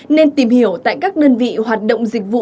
nên tìm hiểu tại các đơn vị hoạt động dịch vụ